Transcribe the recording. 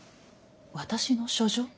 私の書状？